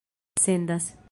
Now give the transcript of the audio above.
sendas